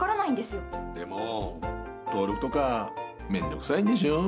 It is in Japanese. でも登録とか面倒くさいんでしょう？